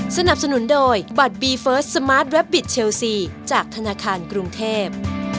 สนับสนุนโดยบัตรบีเฟิร์สสมาร์ทแวบบิตเชลซีจากธนาคารกรุงเทพ